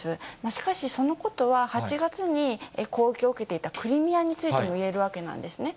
しかし、そのことは８月に攻撃を受けていたクリミアについてもいえるわけなんですね。